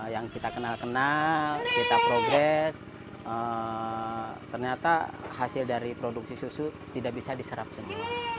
yang kita kenal kenal kita progres ternyata hasil dari produksi susu tidak bisa diserap semua